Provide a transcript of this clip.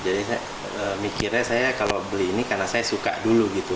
jadi saya mikirnya saya kalau beli ini karena saya suka dulu gitu